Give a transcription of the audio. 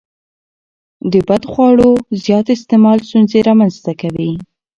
د بدخواړو زیات استعمال ستونزې رامنځته کوي.